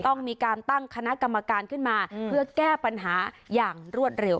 ต้องมีการตั้งคณะกรรมการขึ้นมาเพื่อแก้ปัญหาอย่างรวดเร็ว